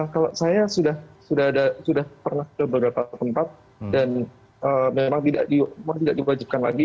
kalau saya sudah pernah ke beberapa tempat dan memang tidak diwajibkan lagi